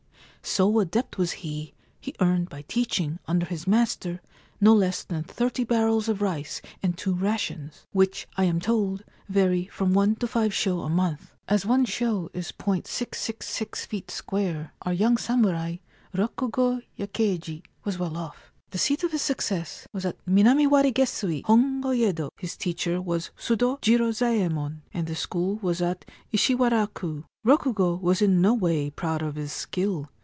So adept was he, he earned by teaching, under his master, no less than thirty barrels of rice and two * rations '— which, I am told, vary from one to five sho — a month. As one sho is '666 feet square, our young samurai, Rokugo Yakeiji, was well off. The seat of his success was at Minami wari gesui, Hongo Yedo. His teacher was Sudo Jirozaemon, and the school was at Ishiwaraku. Rokugo was in no way proud of his skill.